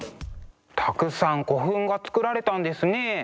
たくさん古墳が造られたんですね。